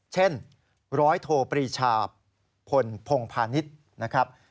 เช่นร้อยโทปรีชาพลพงพาณิชย์นะครับ